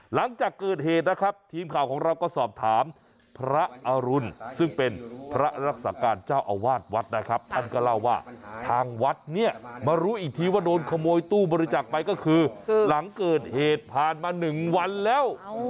หลังจากเกิดเหตุนะครับทีมข่าวของเราก็สอบถามพระอรุณซึ่งเป็นพระรักษาการเจ้าอาวาสวัดนะครับท่านก็เล่าว่าทางวัดเนี่ยมารู้อีกทีว่าโดนขโมยตู้บริจาคไปก็คือหลังเกิดเหตุผ่านมา๑วันแล้ว